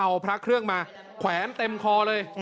เอาพระเครื่องมาแขวนเต็มคอเลย